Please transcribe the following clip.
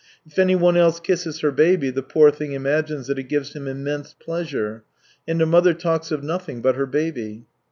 If anyone else kisses her baby the poor thing imagines that it gives him immense pleasure. And a mother talks of nothing but her baby.